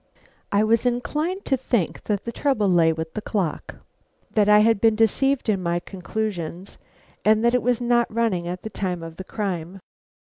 I was inclined to think that the trouble lay with the clock; that I had been deceived in my conclusions, and that it was not running at the time of the crime.